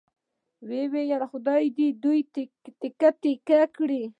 ویل یې خدای دې تیکې تیکې کړي.